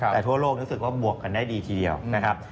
แต่ทั่วโลกรู้สึกว่าบวกกันได้ดีทีเดียวนะครับ